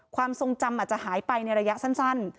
ความทรงจำอาจจะหายไปในระยะสั้น